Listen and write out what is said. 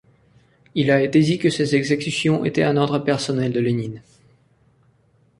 Il a été dit que ces exécutions étaient un ordre personnel de Lénine.